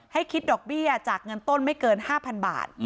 ให้คิดดอกเบี้ยจากเงินต้นไม่เกิน๕๐๐๐บาท